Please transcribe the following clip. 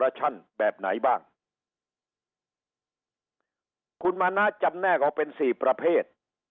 ระชั่นแบบไหนบ้างคุณมณะจำแน่ก็เป็นสี่ประเภท